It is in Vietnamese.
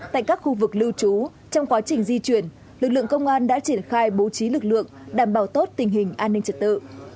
tại các khu vực lưu trú trong quá trình di chuyển lực lượng công an đã triển khai bố trí lực lượng đảm bảo tốt tình hình an ninh trật tự